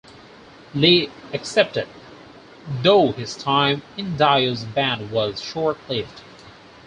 Lee accepted, though his time in Dio's band was short-lived.